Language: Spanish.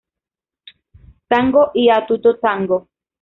Tango y A Tutto Tango.